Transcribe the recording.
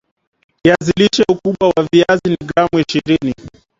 Kiazi lishe ukubwa wa viazi ni gram ishirni